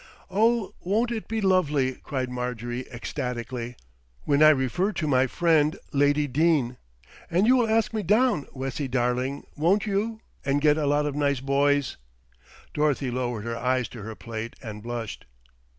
"Oh, won't it be lovely," cried Marjorie ecstatically, "when I refer to my friend, Lady Dene. And you will ask me down, Wessie darling, won't you, and get a lot of nice boys." Dorothy lowered her eyes to her plate and blushed.